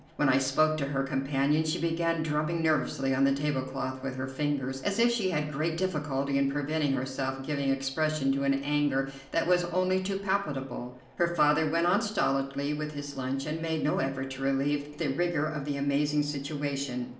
When I spoke to her companion she began drumming nervously on the tablecloth with her fingers, as if she had great difficulty in preventing herself giving expression to an anger that was only too palpable. Her father went on stolidly with his lunch, and made no effort to relieve the rigor of the amazing situation.